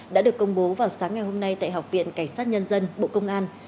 đã được công bố vào sáng ngày hôm nay tại học viện cảnh sát nhân dân bộ công an